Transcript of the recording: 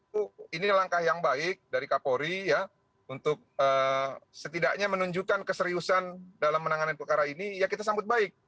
bu ini langkah yang baik dari kapolri ya untuk setidaknya menunjukkan keseriusan dalam menangani perkara ini ya kita sambut baik